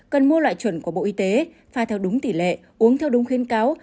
cần mua lại chuẩn của bộ y tế pha theo đúng tỷ lệ uống theo đúng khuyến cáo